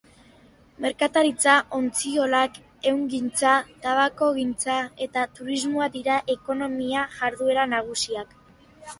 Merkataritza, ontziolak, ehungintza, tabakogintza eta turismoa dira ekonomia-jarduera nagusiak.